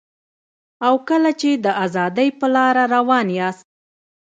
او کله چي د ازادۍ په لاره روان یاست